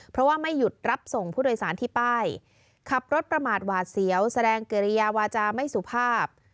เพราะว่าไม่หยุดรับส่งผู้โดยสารที่ป้ายขับรถประมาทหวาดเสียวแสดงกิริยาวาจาไม่สุภาพ